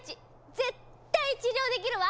絶対治療できるわ！